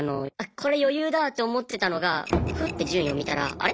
これ余裕だって思ってたのがふって順位を見たらあれ？